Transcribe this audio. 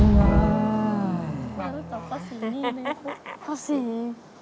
ข้าวสี